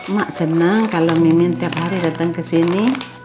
mak senang kalau mimin tiap hari datang kesini